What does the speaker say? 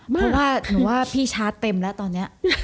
เพราะว่าหนูว่าพี่ชาร์จเต็มแล้วตอนนี้